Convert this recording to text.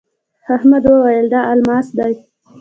احمد وويل: دا الماس دی.